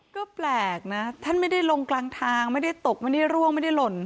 ก็แปลกนะท่านไม่ได้ลงกลางทางไม่ได้ตกไม่ได้ร่วงไม่ได้หล่น